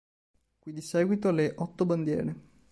Qui di seguito le "Otto Bandiere".